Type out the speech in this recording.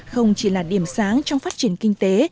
không chỉ là điểm sáng trong phát triển kinh tế